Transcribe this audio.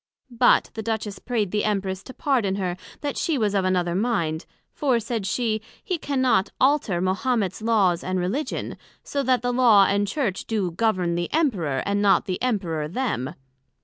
But the Duchess pray'd the Empress to pardon her that she was of another mind; for, said she, he cannot alter Mahomets Laws and Religion; so that the Law and Church do govern the Emperor, and not the Emperor them.